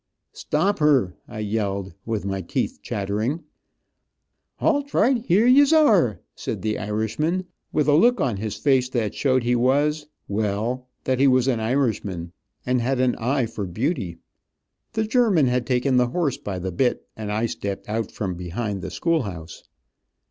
"Stop her," I yelled with my teeth chattering. "Halt right fhere yez are," said the Irishman, with a look on his face that showed he was well, that he was an Irishman, and had an eye for beauty. The German had taken the horse by the bit, and I stepped out from behind the school house.